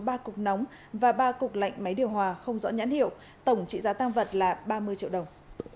tăng vật nóng và ba cục lạnh máy điều hòa không rõ nhãn hiệu tổng trị giá tăng vật là ba mươi triệu đồng